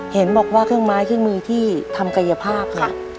เห็นบอกว่าเครื่องไม้เครื่องมือที่ทำกายภาพเนี่ย